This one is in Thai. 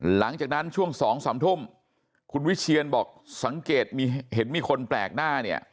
หลังจากนั้นช่วง๒๓ทุ่มคุณวิเชียนบอกสังเกตเห็นมีคนแปลกหน้าเนี่ย